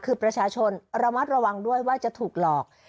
คือประชาชนระมัดระวังด้วยว่าจะถูกหลอก